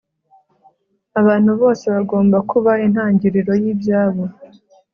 abantu bose bagomba kuba intangiriro y'ibyabo